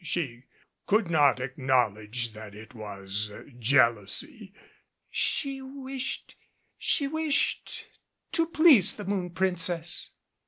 She could not acknowledge that it was jealousy. "She wished she wished to please the Moon Princess."